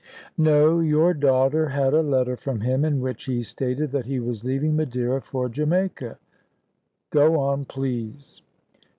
"No; your daughter had a letter from him, in which he stated that he was leaving Madeira for Jamaica. Go on, please."